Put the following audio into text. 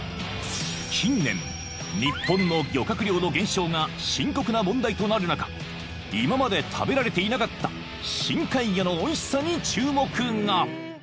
［近年日本の漁獲量の減少が深刻な問題となる中今まで食べられていなかった深海魚のおいしさに注目が］